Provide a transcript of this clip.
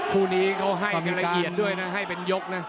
คู่นี้เขาให้เป็นละเอียดด้วยนะให้เป็นยกนะ